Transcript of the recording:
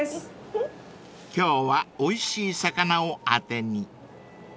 ［今日はおいしい魚をあてに］